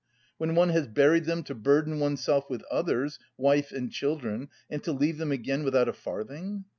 When one has buried them to burden oneself with others wife and children and to leave them again without a farthing?